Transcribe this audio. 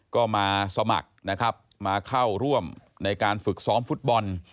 ก็มาสมัครนะครับมาเข้าร่วมในการฝึกซ้อมฟุตบอล